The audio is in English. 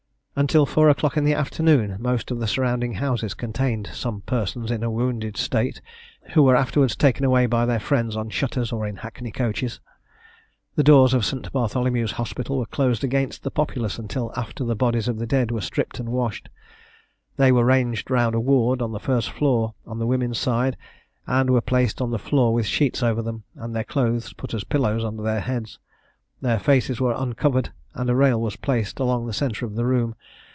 Until four o'clock in the afternoon, most of the surrounding houses contained some persons in a wounded state, who were afterwards taken away by their friends on shutters, or in hackney coaches. The doors of St. Bartholomew's Hospital were closed against the populace, until after the bodies of the dead were stripped and washed. They were ranged round a ward on the first floor, on the women's side, and were placed on the floor with sheets over them, and their clothes put as pillows under their heads: their faces were uncovered: and a rail was placed along the centre of the room.